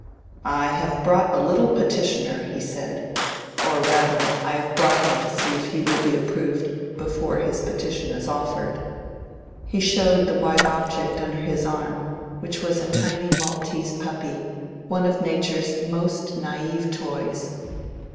"I have brought a little petitioner," he said, "or rather, I have brought him to see if he will be approved before his petition is offered." He showed the white object under his arm, which was a tiny Maltese puppy, one of nature's most naive toys.